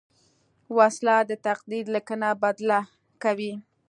وسله د تقدیر لیکنه بدله کوي